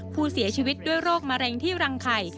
ผู้เสียชีวิตด้วยโรคมะเร็งที่รังไข่